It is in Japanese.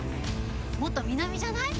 もっと南じゃない？